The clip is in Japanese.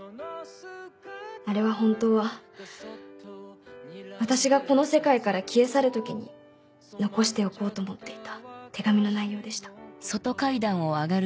あれは本当は私がこの世界から消え去る時に残しておこうと思っていた手紙の内容でした。